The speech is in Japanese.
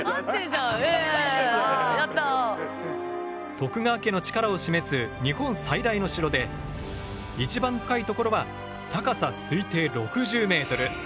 徳川家の力を示す日本最大の城で一番高い所は高さ推定６０ｍ。